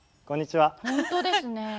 本当ですね。